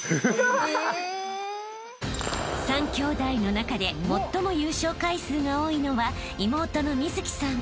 ［３きょうだいの中で最も優勝回数が多いのは妹の美月さん］